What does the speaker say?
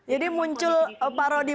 jadi muncul parodi mungkin